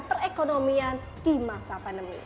perekonomian di masa pandemi